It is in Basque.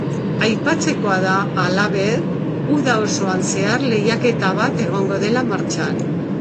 Aipatzekoa da, halaber, uda osoan zehar lehiaketa bat egongo dela martxan.